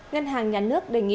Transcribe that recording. ngân hàng nhà nước đề nghị